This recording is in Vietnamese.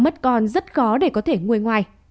mất con rất khó để có thể ngồi ngoài